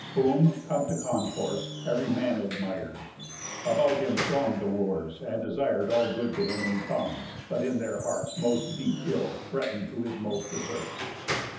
Whom, come to concourse, ev'ry man admir'd, About him throng'd the Wooers, and desir'd All good to him in tongues, but in their hearts Most deep ills threaten'd to his most deserts.